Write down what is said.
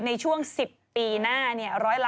ในช่วง๑๐ปีหน้าร้อยละ๑๗